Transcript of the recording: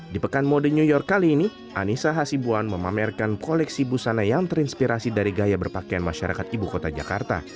di pekan mode new york kali ini anissa hasibuan memamerkan koleksi busana yang terinspirasi dari gaya berpakaian masyarakat ibu kota jakarta